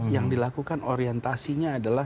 yang dilakukan orientasinya adalah